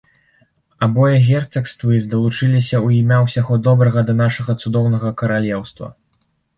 Абое герцагствы далучыліся ў імя ўсяго добрага да нашага цудоўнага каралеўства.